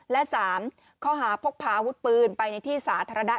และ๓ข้อหาพกพาอาวุธปืนไปในที่สาธารณะ